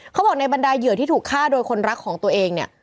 เขาบอกในบรรดาเหยื่อที่ถูกฆ่าโดยคนรักของตัวเองเนี่ย